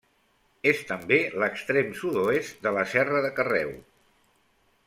És també l'extrem sud-oest de la Serra de Carreu.